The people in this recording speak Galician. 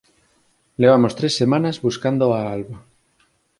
Levamos tres semanas buscando a Alba.